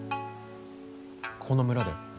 この村で？